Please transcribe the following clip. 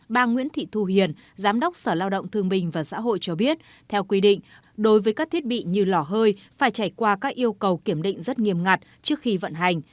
bà nguyễn thị thu hiền giám đốc sở lao động thương bình và xã hội cho biết theo quy định đối với các thiết bị như lò hơi phải trải qua các yêu cầu kiểm định rất nghiêm ngặt trước khi vận hành